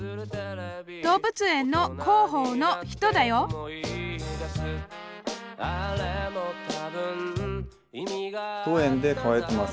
動物園の広報の人だよ当園で飼われてます